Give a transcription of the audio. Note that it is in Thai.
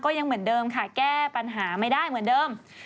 ยังเหมือนเดิมค่ะแก้ปัญหาไม่ได้เหมือนเดิม